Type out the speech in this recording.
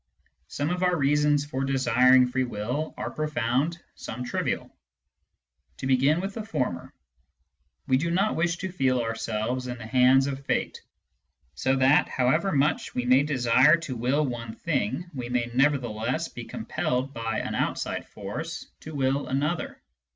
Some of our reasons for desir ing free will are profound, some trivial. To begin with the former : we do not wish to feel ourselves in the hands of fate, so that, however much we may desire to will one thing, we may nevertheless be. compelled by an outside force to will another.